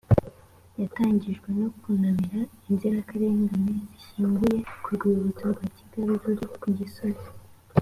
yatangijwe no kunamira inzirakarengane zishyinguye ku rwibutso rwa kigali ruri ku gisozi